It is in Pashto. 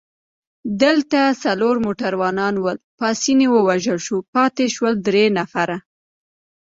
دلته څلور موټروانان ول، پاسیني ووژل شو، پاتې شول درې نفره.